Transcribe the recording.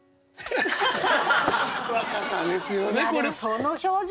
若さですよねこれ。